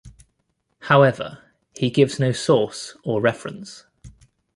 However he gives no source or reference.